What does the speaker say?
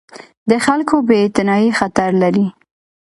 د خلکو بې اعتنايي خطر لري